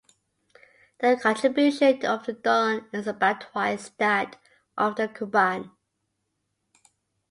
The contribution of the Don is about twice that of the Kuban.